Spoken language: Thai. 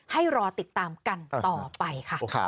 ให้รอติดตามกันต่อไปค่ะ